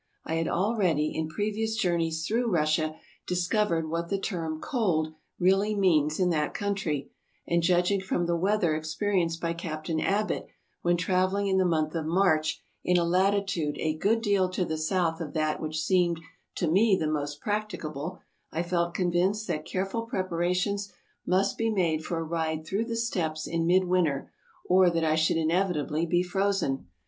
I had already, in previous journeys through Russia, discovered what the term "cold " really means in that country, and, judging from the weather experienced by Captain Abbott when traveling in the month of March in a latitude a good deal to the south of that which seemed to me the most practicable, I felt convinced that careful preparations must be made for a ride through the steppes in midwinter or that I should inevitably be frozen.